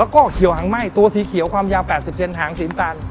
ก็เกี่ยวหางไหม้ตัวสีเขียวความยาว๘๐เจนหางสีอินตัน